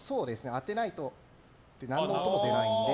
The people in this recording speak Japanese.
当てないと何の音も出ないので。